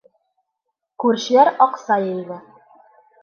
Күршеләр аҡса йыйҙы.